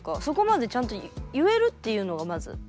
そこまでちゃんと言えるっていうのがまず。